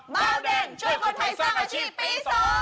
เบาแดงช่วยคนไทยสร้างอาชีพปี๒